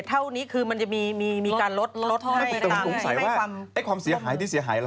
ตอนนี้เหลือแค่๔ปีกับปรับสักกว่าบาทนี่แหละ